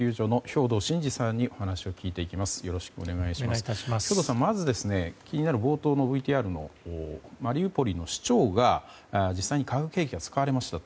兵頭さん、まず気になる冒頭のＶＴＲのマリウポリの市長が実際に化学兵器が使われました